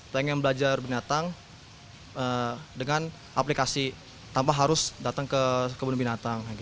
pengen belajar binatang dengan aplikasi tanpa harus datang ke kebun binatang